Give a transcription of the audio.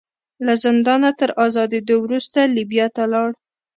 له زندانه تر ازادېدو وروسته لیبیا ته لاړ.